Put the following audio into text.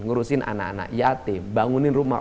ngurusin anak anak yatim bangunin rumah